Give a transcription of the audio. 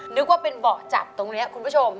นึกว่าเป็นเบาะจับตรงนี้คุณผู้ชม